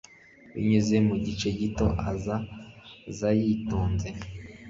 Binyuze mu gice gito azaza yitonze